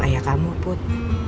ayah kamu put